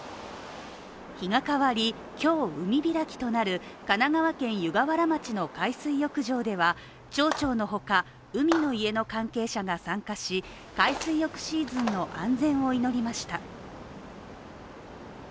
日が変わり、今日海開きとなる神奈川県湯河原市では町長のほか、海の家の関係者が参加し海水浴シーズンの安全を祈りました。